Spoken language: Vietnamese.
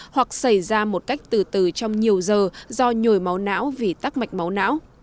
hoặc xảy ra một cách từ từ trong nhiều giờ do nhồi máu não vì tắc mạch máu não